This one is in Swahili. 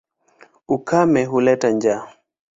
Ukame huleta njaa.